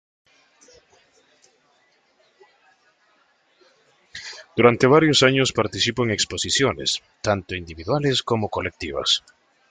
Durante varios años participó en exposiciones, tanto individuales como colectivas.